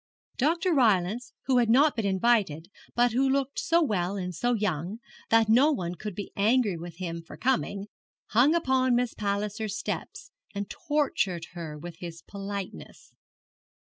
Dr. Rylance, who had not been invited, but who looked so well and so young that no one could be angry with him for coming, hung upon Miss Palliser's steps, and tortured her with his politeness.